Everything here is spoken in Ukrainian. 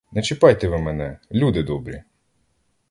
Не чіпайте ви мене, люди добрі!